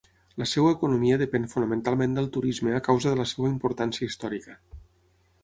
La seva economia depèn fonamentalment del turisme a causa de la seva importància històrica.